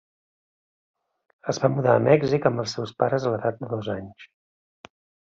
Es va mudar a Mèxic amb els seus pares a l’edat de dos anys.